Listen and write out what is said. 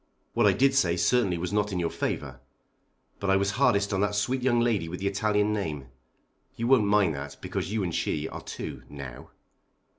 What I did say certainly was not in your favour. But I was hardest on that sweet young lady with the Italian name. You won't mind that because you and she are two, now."